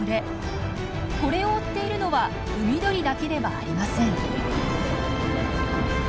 これを追っているのは海鳥だけではありません。